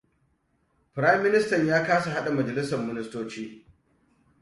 Firayim ministan ya kasa hada majalisar ministoci.